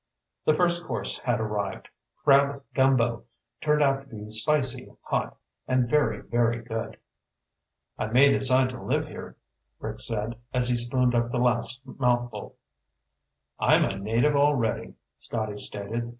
The first course had arrived. Crab gumbo turned out to be spicy, hot, and very, very good. "I may decide to live here," Rick said as he spooned up the last mouthful. "I'm a native already," Scotty stated.